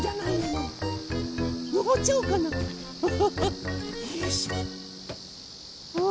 のぼっちゃおうかなフフフ。